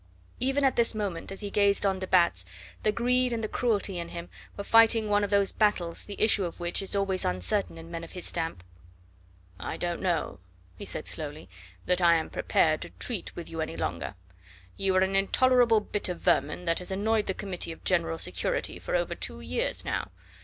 Even at this moment as he gazed on de Batz the greed and the cruelty in him were fighting one of those battles the issue of which is always uncertain in men of his stamp. "I don't know," he said slowly, "that I am prepared to treat with you any longer. You are an intolerable bit of vermin that has annoyed the Committee of General Security for over two years now.